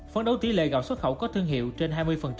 phấn đấu tỷ lệ gạo xuất khẩu có thương hiệu trên hai mươi